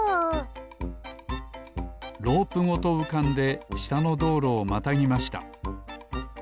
ロープごとうかんでしたのどうろをまたぎました。